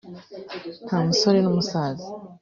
nta musore n’umusaza